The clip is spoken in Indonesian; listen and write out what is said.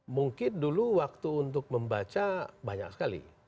mungkin dulu waktu untuk membaca banyak sekali